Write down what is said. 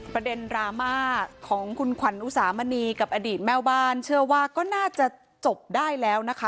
ประเด็นดราม่าของคุณขวัญอุสามณีกับอดีตแม่บ้านเชื่อว่าก็น่าจะจบได้แล้วนะคะ